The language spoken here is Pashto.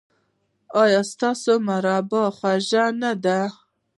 ایا ستاسو مربا به خوږه نه وي؟